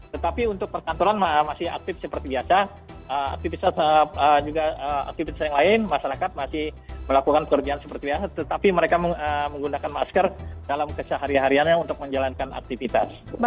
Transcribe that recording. tetapi untuk perkantoran masih aktif seperti biasa aktivitas juga aktivitas yang lain masyarakat masih melakukan pekerjaan seperti biasa tetapi mereka menggunakan masker dalam kesehari hariannya untuk menjalankan aktivitas